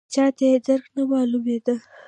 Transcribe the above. چاته یې درک نه معلومېده.